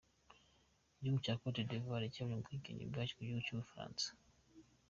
Igihugu cya Cote d’ivoire cyabonye ubwigenge bwacyo ku gihugu cy’u Bufaransa.